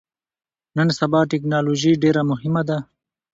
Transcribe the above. نن سبا ټکنالوژي ډیره مهمه ده